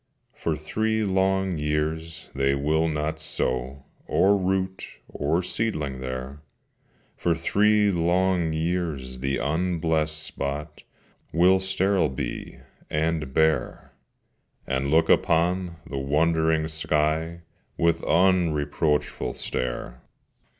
For three long years they will not sow Or root or seedling there: For three long years the unblessed spot Will sterile be and bare, And look upon the wondering sky With unreproachful stare.